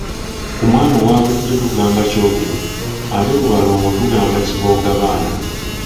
Ku mwana owa bulijjo tugamba kyogero, ate ku balongo tugamba kiboggabaana.